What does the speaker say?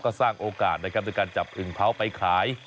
ก็สร้างโอกาสในการจับอึงเภาไปขาย